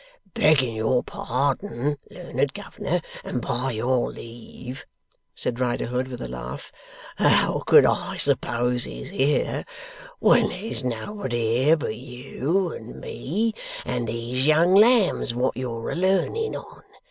'Begging your pardon, learned governor, and by your leave,' said Riderhood, with a laugh, 'how could I suppose he's here, when there's nobody here but you, and me, and these young lambs wot you're a learning on?